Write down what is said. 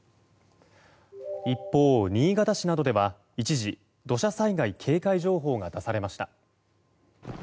一方、新潟市などでは一時、土砂災害警戒情報が出されました。